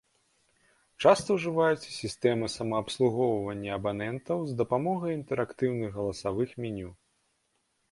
Часта ўжываюцца сістэмы самаабслугоўвання абанентаў з дапамогай інтэрактыўных галасавых меню.